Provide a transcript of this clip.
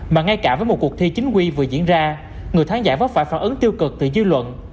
mà ngay cả với một cuộc thi chính quy vừa diễn ra người khán giả vẫn phải phản ứng tiêu cực từ dư luận